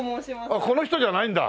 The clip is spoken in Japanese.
あっこの人じゃないんだ。